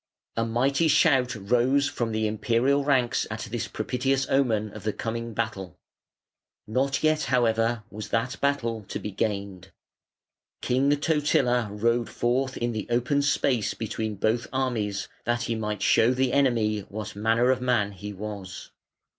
A mighty shout rose from the Imperial ranks at this propitious omen of the coming battle. Not yet, however, was that battle to be gained. King Totila rode forth in the open space between both armies, "that he might show the enemy what manner of man he was".